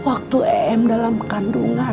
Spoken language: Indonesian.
waktu em dalam kandungan